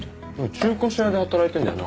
中古車屋で働いてんだよな？